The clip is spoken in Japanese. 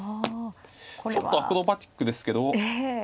ちょっとアクロバチックですけど。